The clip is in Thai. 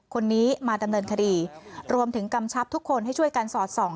คนนี้มาดำเนินคดีรวมถึงกำชับทุกคนให้ช่วยกันสอดส่อง